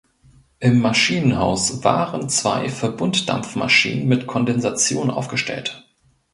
Im Maschinenhaus waren zwei Verbunddampfmaschinen mit Kondensation aufgestellt.